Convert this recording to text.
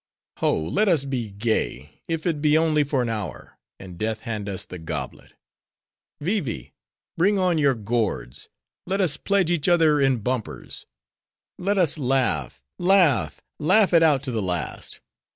Ho! let us be gay, if it be only for an hour, and Death hand us the goblet. Vee Vee! bring on your gourds! Let us pledge each other in bumpers!—let us laugh, laugh, laugh it out to the last.